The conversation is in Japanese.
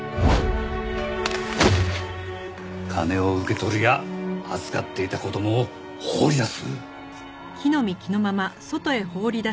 金を受け取るや預かっていた子供を放り出す。